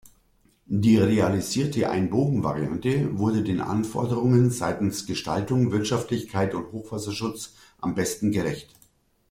Die realisierte Ein-Bogen-Variante wurde den Anforderungen seitens Gestaltung, Wirtschaftlichkeit und Hochwasserschutz am besten gerecht.